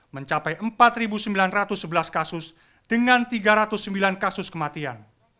mencapai empat sembilan ratus sebelas kasus dengan tiga ratus sembilan kasus kematian